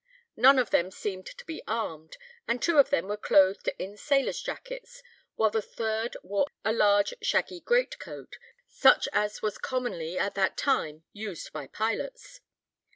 None of them seemed to be armed, and two of them were clothed in sailors' jackets, while the third wore a large shaggy great coat, such as was commonly at that time used by pilots.